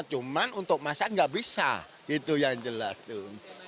cuma untuk masak nggak bisa gitu yang jelas tuh